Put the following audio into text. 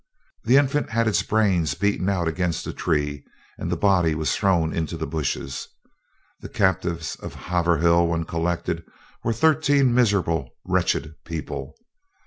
The infant had its brains beaten out against a tree, and the body was thrown into the bushes. The captives of Haverhill, when collected, were thirteen miserable, wretched people.